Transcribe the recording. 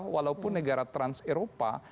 walaupun negara trans eropa